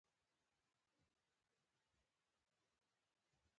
نو دا ټول لګښت دکريم په غاړه شو.